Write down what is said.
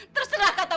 terserah kata bapak